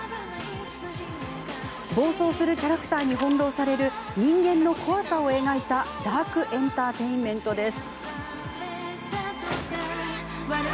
暴走するキャラクターに翻弄される人間の怖さを描いたダークエンターテインメントです。